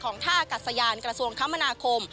ของท่ากัดสยานกระทรวงคมนาคม